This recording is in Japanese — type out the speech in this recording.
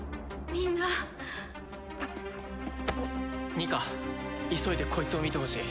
ニカ急いでこいつを見てほしい。